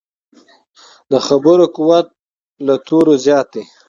د خبرو قوت له تورو زیات دی.